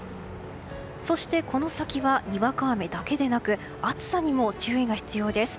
そしてこの先はにわか雨だけでなく暑さにも注意が必要です。